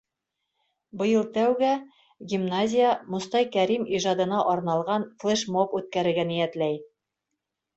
Быйыл тәүгә гимназия Мостай Кәрим ижадына арналған флеш-моб үткәрергә ниәтләй.